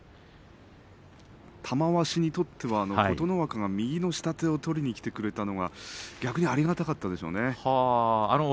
玉鷲にとっては琴ノ若が右の下手を取りにきてくれたのが逆にありがたかったんでしょうね。